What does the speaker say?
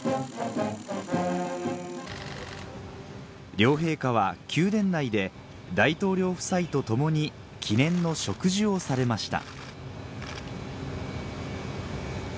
両陛下は宮殿内で大統領夫妻と共に記念の植樹をされました